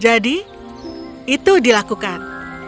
jadi itu dilakukan